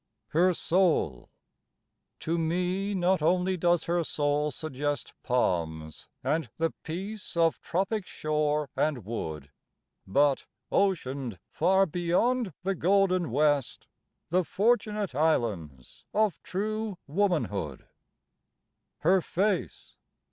HER SOUL. To me not only does her soul suggest Palms and the peace of tropic shore and wood, But, oceaned far beyond the golden West, The Fortunate Islands of true Womanhood. HER FACE.